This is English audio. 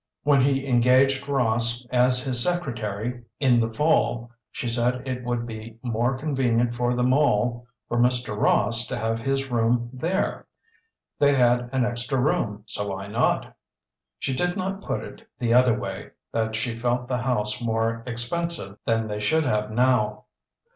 When he engaged Ross as his secretary in the fall she said it would be more convenient for them all for Mr. Ross to have his room there. They had an extra room, so why not? She did not put it the other way that she felt the house more expensive than they should have now.